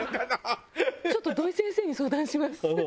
ちょっと土井先生に相談します。